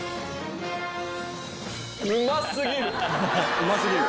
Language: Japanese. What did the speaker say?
うますぎる？